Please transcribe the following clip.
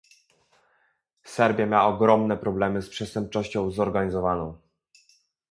Serbia ma ogromne problemy z przestępczością zorganizowaną